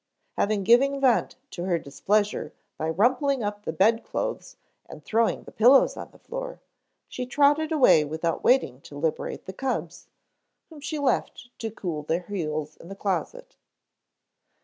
Having given vent to her displeasure by rumpling up the bed clothes and throwing the pillows on the floor, she trotted away without waiting to liberate the cubs, whom she left to cool their heels in the closet.